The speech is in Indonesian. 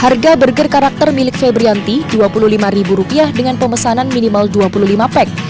harga burger karakter milik febrianti rp dua puluh lima dengan pemesanan minimal dua puluh lima pack